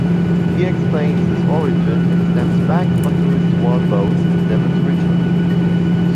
He explains his origin and steps back onto his swan boat, never to return.